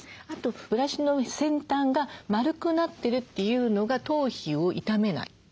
あとブラシの先端が丸くなってるというのが頭皮を傷めない。